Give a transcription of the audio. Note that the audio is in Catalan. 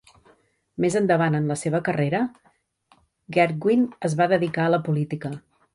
Més endavant en la seva carrera, Gerwig es va dedicar a la política.